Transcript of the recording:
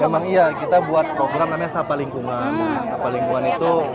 memang iya kita buat programnya sapa lingkungan apa lingkungan itu